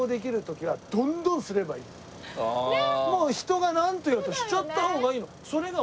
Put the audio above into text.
もう人がなんと言おうとしちゃった方がいいの。